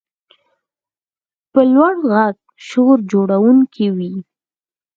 په لوړ غږ شور جوړونکی وي.